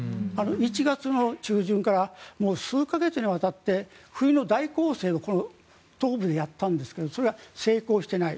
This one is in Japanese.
１月の中旬から数か月にわたって冬の大攻勢を東部でやったんですがそれは成功していない。